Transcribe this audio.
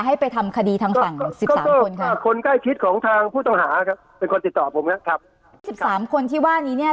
ให้ไปทำคดีทางฝั่ง๑๓คนคะ